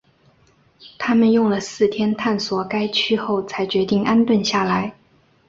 他们用了四天探索该区后才决定安顿下来。